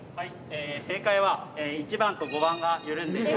正解は１番と５番が緩んでいました。